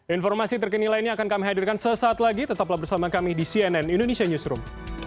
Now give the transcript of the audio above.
informasi terkini lainnya akan kami hadirkan sesaat lagi tetaplah bersama kami di cnn indonesia newsroom